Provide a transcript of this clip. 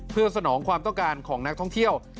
เพื่อสนองความต้องการของนักท่องเที่ยว